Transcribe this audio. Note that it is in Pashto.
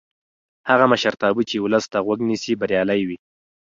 هغه مشرتابه چې ولس ته غوږ نیسي بریالی وي